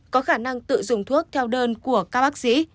có khả năng tự dùng thuốc theo đơn của các bác sĩ